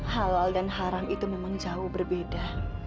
hal hal dan haram itu memang jauh berbeda